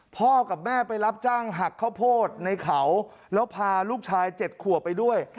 พ่อกับแม่ไปรับจ้างหักข้าวโพดในเขาแล้วพาลูกชาย๗ขวบไปด้วย